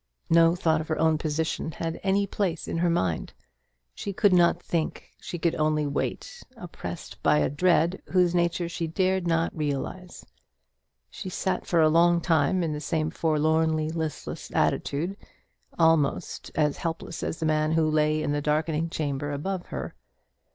No thought of her own position had any place in her mind. She could not think; she could only wait, oppressed by a dread whose nature she dared not realize. She sat for a long time in the same forlornly listless attitude, almost as helpless as the man who lay in the darkened chamber above her.